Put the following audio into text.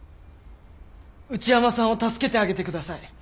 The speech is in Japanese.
内山さんを助けてあげてください。